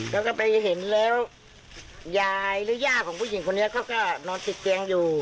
แล้วก็ไปเห็นแล้วยายหรือย่าของผู้หญิงคนนี้เขาก็นอนติดเตียงอยู่